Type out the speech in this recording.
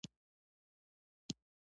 آیا د اقینې بندر ګاز واردوي؟